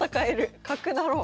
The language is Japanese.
角成ろう。